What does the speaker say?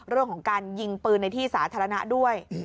เรื่องของการยิงปืนในที่สาธารณะด้วย